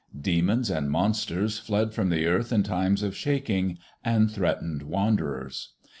Demons and monsters fled from the earth in times of shaking, and threatened wanderers.